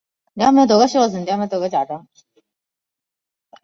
古槐镇是中国福建省福州市长乐区下辖的一个镇。